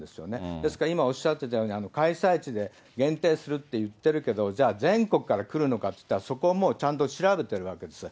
ですから今おっしゃってたように、開催地で限定するっていってるけど、じゃあ、全国から来るのかっていったら、そこはもうちゃんと調べてるわけですよ。